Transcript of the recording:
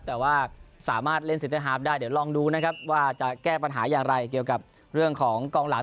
แต่ว่าสามารถเล่นเซนเตอร์ฮาร์มได้เดี๋ยวลองดูนะครับว่าจะแก้ปัญหาอย่างไรเกี่ยวกับเรื่องของกองหลัง